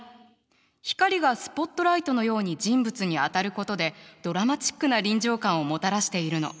光がスポットライトのように人物に当たることでドラマチックな臨場感をもたらしているの。